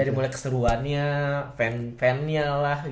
dari mulai keseruannya fan fannya lah